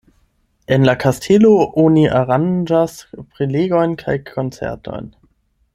En la kastelo oni aranĝas prelegojn kaj koncertojn.